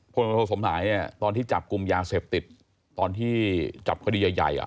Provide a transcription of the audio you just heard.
ท่านคุณสมหายตอนที่จับกรุงยาเสพติดตอนที่จับคดีใหญ่อะ